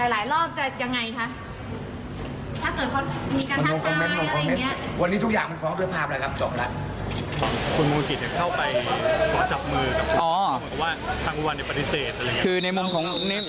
แล้วนายมงคลกิจเข้าไปก่อจับมือจะตั้งวันเป็นปฏิเสธ